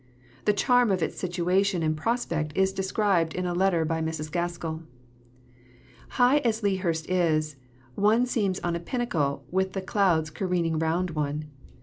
The charm of its situation and prospect is described in a letter by Mrs. Gaskell: "High as Lea Hurst is, one seems on a pinnacle, with the clouds careering round one.